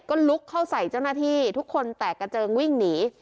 ก็ลุกเข้าใส่เจ้าหน้าที่ทุกคนแตกกระเจิงวิ่งหนี